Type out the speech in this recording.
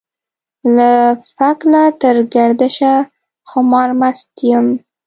له فکله تر ګردشه خمار مست يم.